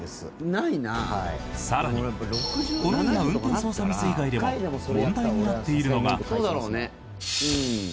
更にこのような運転操作ミス以外でも問題になっているのが。